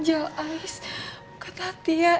kamu depuis mana sampe atuh